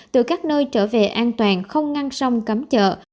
từ các nơi trở về an toàn không ngăn sông cấm chợ